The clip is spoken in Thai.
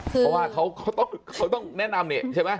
เพราะว่าเขาต้องแนะนำนี่ใช่ไหม